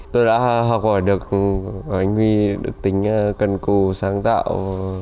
tôi đã học hỏi được anh huy được tính cần cù sáng tạo